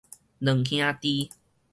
兩兄弟